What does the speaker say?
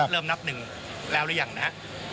เริ่มนับหนึ่งแล้วหรือยังนะฮะ